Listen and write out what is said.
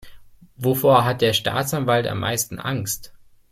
Wovor hat der Staatsanwalt am meisten Angst?